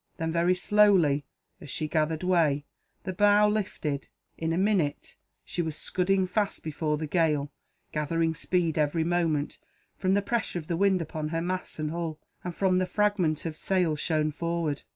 Then, very slowly, as she gathered way, the bow lifted and, in a minute, she was scudding fast before the gale; gathering speed, every moment, from the pressure of the wind upon her masts and hull, and from the fragment of sail shown forward.